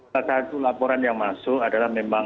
salah satu laporan yang masuk adalah memang